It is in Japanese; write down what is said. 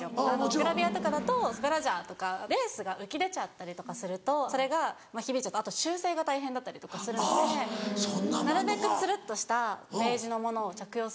グラビアとかだとブラジャーとかレースが浮き出ちゃったりとかするとそれが響いちゃうと後で修整が大変だったりとかするのでなるべくつるっとしたベージュのものを着用するように。